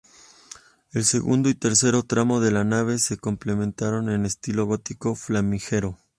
El segundo y tercer tramo de la nave se completaron en estilo gótico flamígero.